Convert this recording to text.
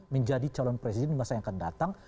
menjadi calon presiden di masa yang akan datang